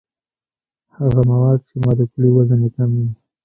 هغه مواد چې مالیکولي وزن یې کم وي.